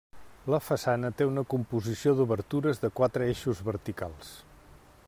La façana té una composició d'obertures de quatre eixos verticals.